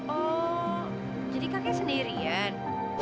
oh jadi kakek sendirian